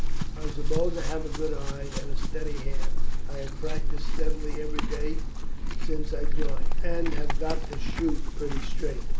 I suppose I have a good eye and a steady hand. I have practised steadily every day since I joined, and have got to shoot pretty straight.